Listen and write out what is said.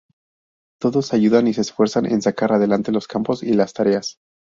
Todos ayudan y se esfuerzan en sacar adelante los campos y las tareas.